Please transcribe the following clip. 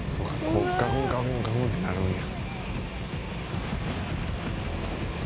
こうガクンガクンガクンってなるんや。